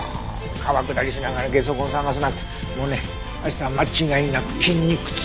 川下りしながらゲソ痕捜すなんてもうね明日は間違いなく筋肉痛。